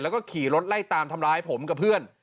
แล้วก็ขี่รถไล่ตามทำร้ายผมกับเพื่อน